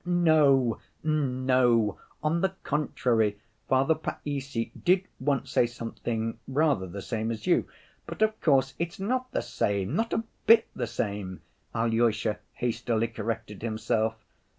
"No, no, on the contrary, Father Païssy did once say something rather the same as you ... but of course it's not the same, not a bit the same," Alyosha hastily corrected himself.